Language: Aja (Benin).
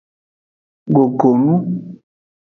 Gogo enu.